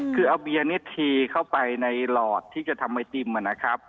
คือเอาเบียร์นี้ทีเข้าไปในหลอดที่จะทำไอติมนะครับ